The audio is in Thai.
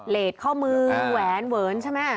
เลสข้อมือแหวนเวิร์นใช่ไหม